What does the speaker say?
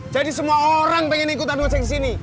jadi semua orang pengen ikutan ngecek sini